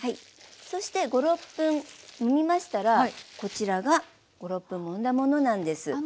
そして５６分もみましたらこちらが５６分もんだものなんです。